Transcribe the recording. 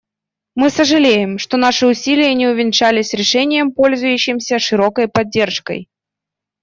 Мы сожалеем, что наши усилия не увенчались решением, пользующимся широкой поддержкой.